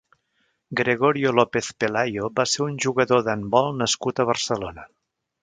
Gregorio López Pelayo va ser un jugador d'handbol nascut a Barcelona.